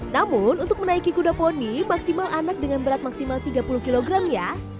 namun untuk menaiki kuda poni maksimal anak dengan berat maksimal tiga puluh kg ya